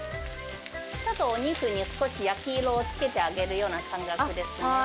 ちょっとお肉に少し焼き色をつけてあげるような感覚ですね。